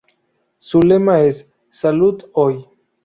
Su lema es "Salud hoy".